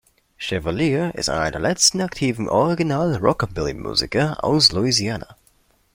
Chevalier ist einer der letzten aktiven original Rockabilly-Musiker aus Louisiana.